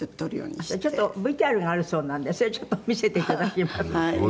ちょっとＶＴＲがあるそうなんでそれちょっと見せて頂きます。